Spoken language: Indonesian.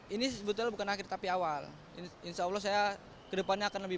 ini sebetulnya bukan akhir tapi awal insya allah saya kedepannya akan lebih